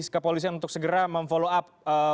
kepolisian untuk segera memfollow up